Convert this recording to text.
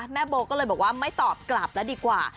แม่โบก็เลยบอกว่าไม่ตอบกลับแล้วดีกว่า